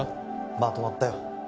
まとまったよ